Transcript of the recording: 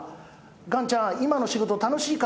ガンちゃん、今の仕事、楽しいか？